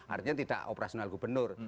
artinya tidak operasional gubernur